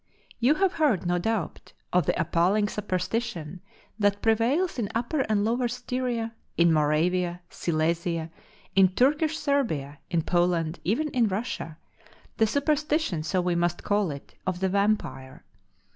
You have heard, no doubt, of the appalling superstition that prevails in Upper and Lower Styria, in Moravia, Silesia, in Turkish Serbia, in Poland, even in Russia; the superstition, so we must call it, of the Vampire.